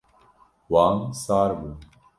Wan sar bû.